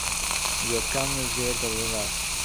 זי האָט קיינמאָל נישט געהערט אַזאַ זאַך